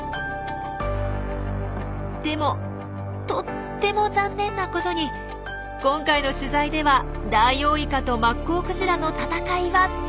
でもとっても残念なことに今回の取材ではダイオウイカとマッコウクジラの闘いは撮れませんでした。